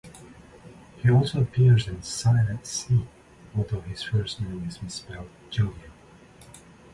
He also appears in "Silent Sea", although his first name is misspelled "Julian".